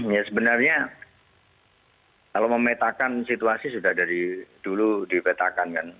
ya sebenarnya kalau memetakan situasi sudah dari dulu dipetakan kan